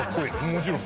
「もちろん」！